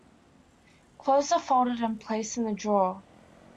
Clothes are folded and placed in a drawer.